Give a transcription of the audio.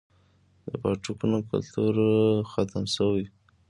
د پاټکونو کلتور ختم شوی